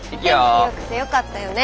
天気よくてよかったよね。